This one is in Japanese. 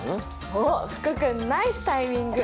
おっ福君ナイスタイミング！